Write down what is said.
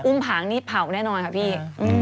ผางนี่เผาแน่นอนค่ะพี่